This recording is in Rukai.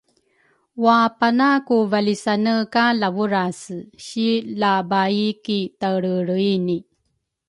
wapana ku valisane ka Lavurase si la bai ki taelrelreini